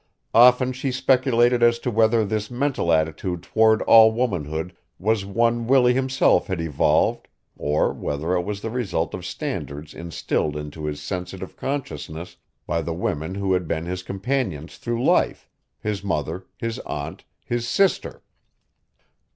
Often she speculated as to whether this mental attitude toward all womanhood was one Willie himself had evolved or whether it was the result of standards instilled into his sensitive consciousness by the women who had been his companions through life, his mother, his aunt, his sister.